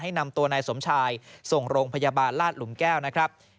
นำตัวนายสมชายส่งโรงพยาบาลลาดหลุมแก้วนะครับ